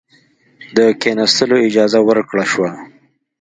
د کښېنستلو اجازه ورکړه شوه.